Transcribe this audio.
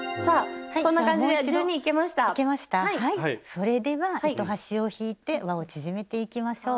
それでは糸端を引いてわを縮めていきましょう。